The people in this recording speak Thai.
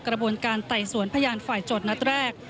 กระบวนการไต่สวนพยานฝ่ายโจทย์นัดแรก